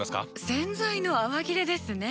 洗剤の泡切れですね。